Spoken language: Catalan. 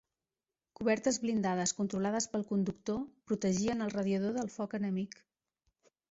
Cobertes blindades controlades pel conductor protegien el radiador del foc enemic.